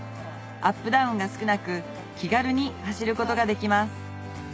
アップダウンが少なく気軽に走ることができます